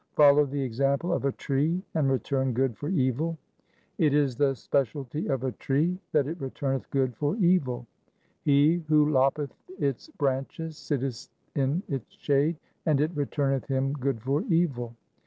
6 Follow the example of a tree and return good for evil :— It is the specialty of a tree that it returneth good for evil. He who loppeth its branches sitteth in its shade, and it returneth him good for evil.